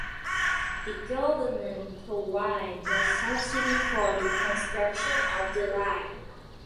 The government provided no subsidy for the construction of the line.